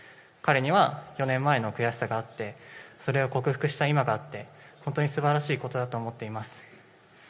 彼には４年前の悔しさがあって、それを克服した今があって本当にすばらしいことだと思っています。